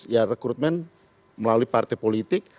ya rekrutmen melalui partai politik